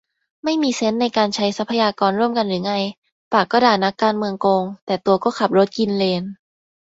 ไม่มีเซนส์ในการใช้ทรัพยากรร่วมกันหรือไง ปากก็ด่านักการเมืองโกง แต่ตัวก็ขับรถกินเลน